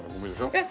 えっ？